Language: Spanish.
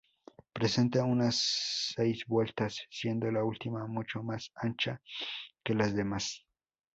Presenta unas seis vueltas, siendo la última mucho más ancha que las demás.